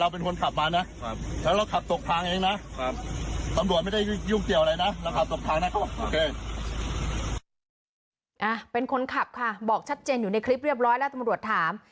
เป็นคนขับค่ะบอกชัดเจนอยู่ในคลิปเรียบร้อยแล้วตำรวจถาม